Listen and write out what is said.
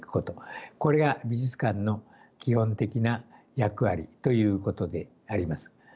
これが美術館の基本的な役割ということであります。